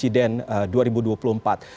dan itu adalah presiden dua ribu dua puluh empat